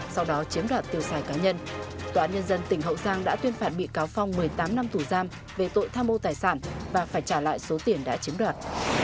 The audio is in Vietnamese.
sau đó chiếm đoạt tiêu xài cá nhân tòa án nhân dân tỉnh hậu giang đã tuyên phạt bị cáo phong một mươi tám năm tù giam về tội tham mô tài sản và phải trả lại số tiền đã chiếm đoạt